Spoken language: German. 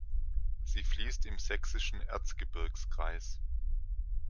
Sie fließt im sächsischen Erzgebirgskreis.